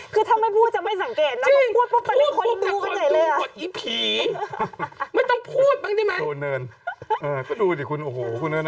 คือถ้าไม่พูดจะไม่สังเกตนะพูดปุ๊บไปเลยคนรู้กันใหญ่เลยอะ